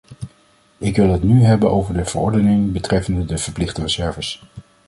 Ik wil het nu hebben over de verordening betreffende de verplichte reserves.